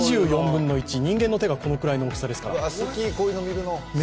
２４分の１人間の手が、このくらいの大きさですから。